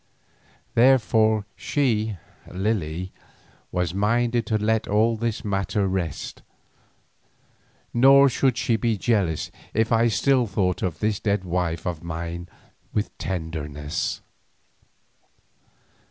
Therefore she, Lily, was minded to let all this matter rest, nor should she be jealous if I still thought of this dead wife of mine with tenderness.